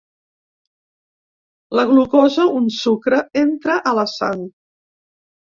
La glucosa, un sucre, entra a la sang.